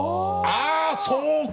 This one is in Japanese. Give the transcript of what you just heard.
あぁそうか！